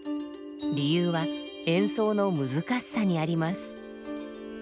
理由は演奏の難しさにあります。